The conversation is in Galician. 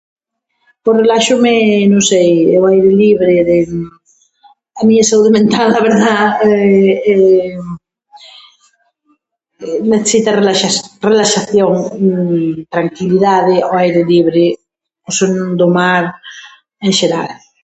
Pois reláxome, non sei, ao aire libre, de a miña saúde mental, a verdá, necesita relax- relaxación, tranquilidade ao aire libre, o son do mar, en xeral.